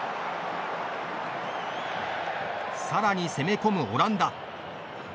さらに攻め込むオランダ。